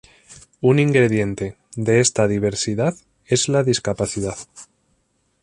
Un ingrediente de esta diversidad es la discapacidad.